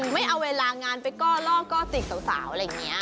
ไม่เอาเวลางานไปรอก็อดดูสาวอย่างนี้